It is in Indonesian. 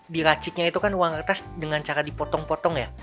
diraciknya itu kan uang kertas dengan cara dipotong potong ya